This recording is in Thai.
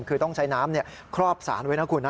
คือต้องใช้น้ำครอบสารไว้นะคุณนะ